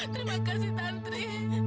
terima kasih tantri